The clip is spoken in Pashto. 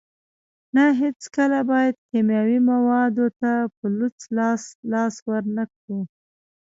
نه هیڅکله باید کیمیاوي موادو ته په لوڅ لاس لاس ورنکړو.